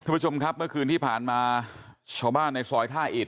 ผู้ชมครับเมื่อคืนที่ผ่านมาชาวบ้านในซอยท่าอิด